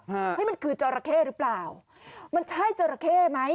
เฮ้ยมันคือจราเข้หรือเปล่ามันใช่จราเข้ไหม